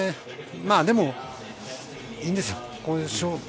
でも、いいんですよ。